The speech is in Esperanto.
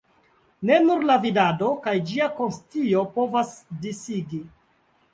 Ne nur la vidado kaj ĝia konscio povas disigi.